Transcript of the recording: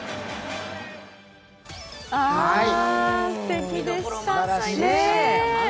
すてきでした。